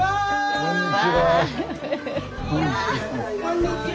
こんにちは。